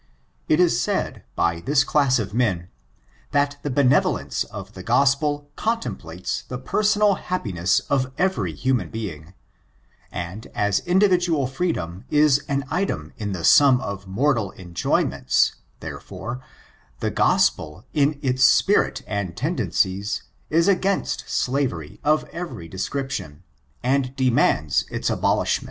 It is said, by this class of men, that the benevolence of the Gospel contemplates the personal happiness of every human being ; and as individual freedom is an item in the sum of mertal enjoyments, therefore, the Gospel, in its spirit and tendencies, is against slaver)' of every description, and demands its abolishment.